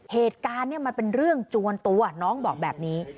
เหตุการณ์เนี่ยมันเป็นเรื่องจวนตัวน้องบอกแบบนี้